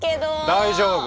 大丈夫！